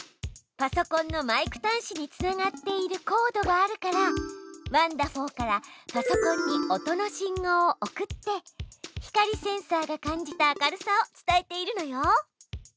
パソコンのマイク端子につながっているコードがあるからワンだふぉーからパソコンに音の信号を送って光センサーが感じた明るさを伝えているのよ。